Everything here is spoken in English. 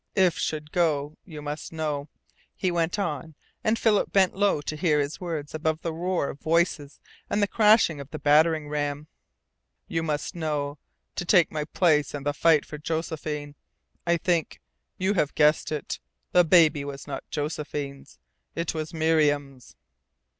"If should go you must know," he went on, and Philip bent low to hear his words above the roar of voices and the crashing of the battering ram. "You must know to take my place in the fight for Josephine. I think you have guessed it. The baby was not Josephine's. IT WAS MIRIAM'S!"